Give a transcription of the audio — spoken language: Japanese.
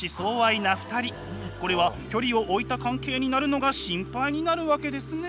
これは距離を置いた関係になるのが心配になるわけですね。